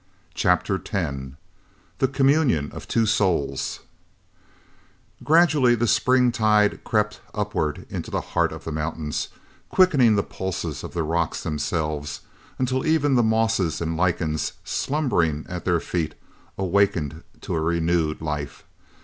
Chapter X THE COMMUNION OF TWO SOULS Gradually the springtide crept upward into the heart of the mountains, quickening the pulses of the rocks themselves until even the mosses and lichens slumbering at their feet awakened to renewed life.